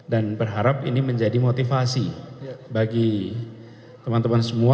dan berharap ini menjadi motivasi bagi teman teman semua